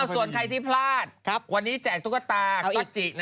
ส่วนใครที่พลาดวันนี้แจกตุ๊กตากิจิ